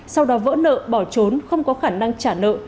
sau đó vỡ nợ bỏ trốn không có khả năng trả nợ